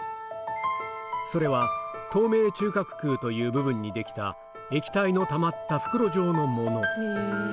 それは透明中隔腔という部分に出来た、液体のたまった袋状のもの。